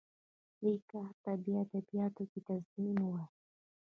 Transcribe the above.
دې کار ته په ادبیاتو کې تضمین وايي.